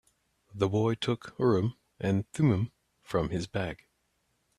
The boy took out Urim and Thummim from his bag.